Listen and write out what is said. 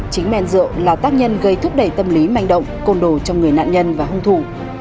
chính men rượu là tác nhân gây thúc đẩy tâm lý manh động côn đồ trong người nạn nhân và hung thủ